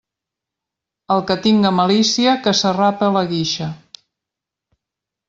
El que tinga malícia, que s'arrape la guixa.